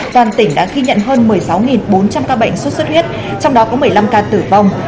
toàn tỉnh đã ghi nhận hơn một mươi sáu bốn trăm linh ca bệnh sốt xuất huyết trong đó có một mươi năm ca tử vong